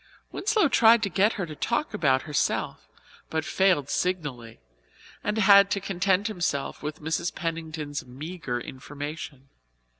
Winslow tried to get her to talk about herself, but failed signally and had to content himself with Mrs. Pennington's meagre information.